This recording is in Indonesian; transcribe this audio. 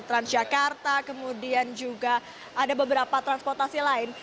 trans jakarta kemudian juga ada beberapa transportasi lain